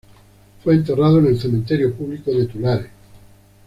Fue enterrado en el Cementerio Público de Tulare.